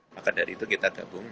maka dari itu kita gabung